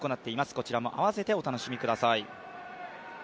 こちらもあわせてお楽しみください。